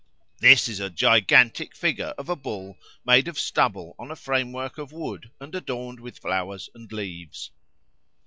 This is a gigantic figure of a bull made of stubble on a framework of wood and adorned with flowers and leaves.